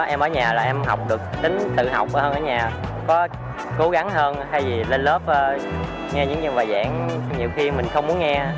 em ở nhà là em học được tính tự học hơn ở nhà có cố gắng hơn hay gì lên lớp nghe những dân bài giảng nhiều khi mình không muốn nghe